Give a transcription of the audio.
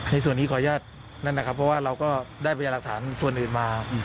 ส่วนนี้ขออนุญาตนั่นนะครับเพราะว่าเราก็ได้พยายามหลักฐานส่วนอื่นมา